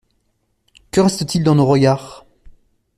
Que reste-t-il dans nos regards?